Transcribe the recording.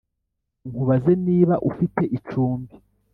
nkubaze niba ufite icumbi